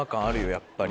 やっぱり。